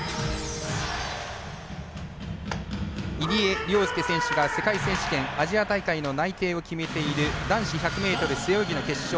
入江陵介選手が世界選手権アジア大会の内定を決めている男子１００ｍ背泳ぎの決勝。